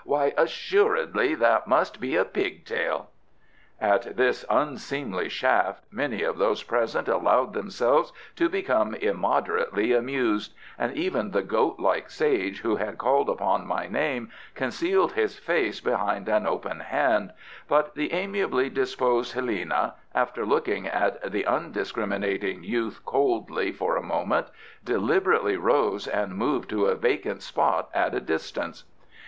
Why, assuredly, that must be a pig tail." At this unseemly shaft many of those present allowed themselves to become immoderately amused, and even the goat like sage who had called upon my name concealed his face behind an open hand, but the amiably disposed Helena, after looking at the undiscriminating youth coldly for a moment, deliberately rose and moved to a vacant spot at a distance.